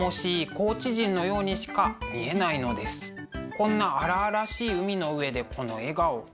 こんな荒々しい海の上でこの笑顔。